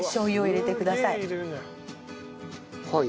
はい。